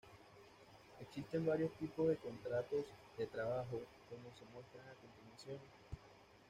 Existen varios tipos de contratos de trabajo como se muestran a continuación.